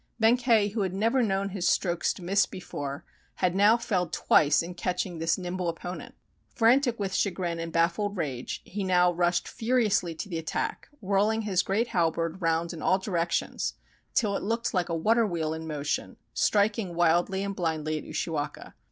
Benkei, who had never known his strokes miss before, had now failed twice in catching this nimble opponent. Frantic with chagrin and bafifled rage, he now rushed furiously to the attack, whirling his great halberd round in all directions till it looked like a water wheel in motion, striking wildly and blindly at Ushiwaka.